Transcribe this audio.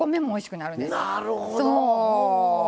なるほど。